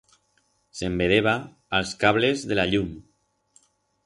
Se'n vedeba a'ls cables de la llum.